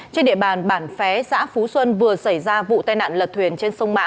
trên địa bàn bản phé xã phú xuân vừa xảy ra vụ tai nạn lật thuyền trên sông mã